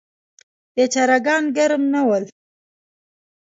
بیچاره ګان ګرم نه ول.